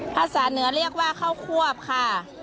ภาษาเหนือเรียกว่าข้าวควบค่ะ